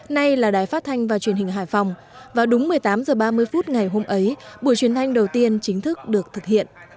nay là đài phát thanh và truyền hình hải phòng vào đúng một mươi tám h ba mươi phút ngày hôm ấy buổi truyền thanh đầu tiên chính thức được thực hiện